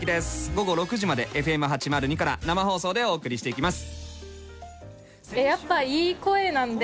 午後６時までＦＭ８０２から生放送でお送りしていきます」。